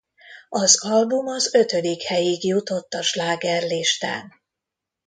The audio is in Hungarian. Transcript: Az album az ötödik helyig jutott a slágerlistán.